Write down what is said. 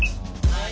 はい。